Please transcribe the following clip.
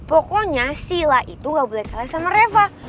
pokoknya si la itu gak boleh kalah sama reva